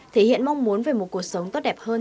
thể hiện mong muốn về một cuộc sống tốt đẹp hơn